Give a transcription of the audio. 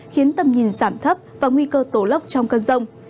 khiến tầm nhìn giảm thấp và nguy cơ tổ lốc trong cơn rông